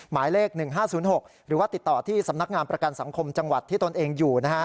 หมายเลข๑๕๐๖หรือว่าติดต่อที่สำนักงานประกันสังคมจังหวัดที่ตนเองอยู่นะฮะ